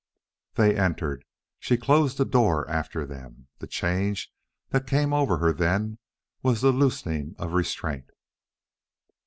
They entered, and she closed the door after them. The change that came over her then was the loosing of restraint.